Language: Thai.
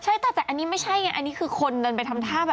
ใช่แต่อันนี้ไม่ใช่ไงอันนี้คือคนเดินไปทำท่าแบบ